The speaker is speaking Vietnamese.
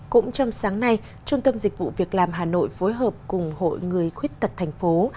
cũng trong sáng nay trung tâm dịch vụ việc làm hà nội phối hợp cùng hội người khuyết tật thành phố